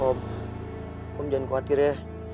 om om jangan khawatir ya